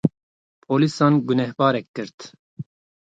polîsan gunehbarek girt